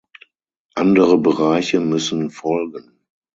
Andere Bereiche müssen folgen.